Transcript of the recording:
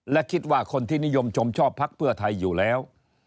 และคิดว่าคนที่นิยมชมชอบพักเพื่อไทยอยู่แล้ว